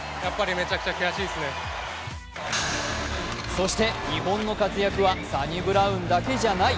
そして日本の活躍はサニブラウンだけじゃない。